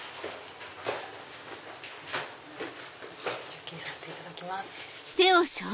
除菌させていただきます。